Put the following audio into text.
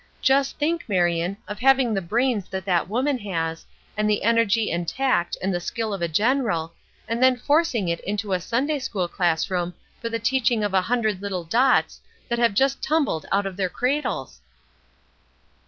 Just think, Marion, of having the brains that that woman has, and the energy and tact and the skill of a general, and then forcing it into a Sunday school class room for the teaching of a hundred little dots that have just tumbled out of their cradles!"